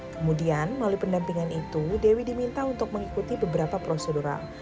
kemudian melalui pendampingan itu dewi diminta untuk mengikuti beberapa prosedural